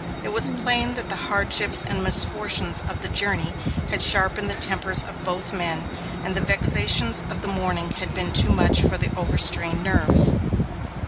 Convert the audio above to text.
It was plain that the hardships and misfortunes of the journey had sharpened the tempers of both men, and the vexations of the morning had been too much for the overstrained nerves.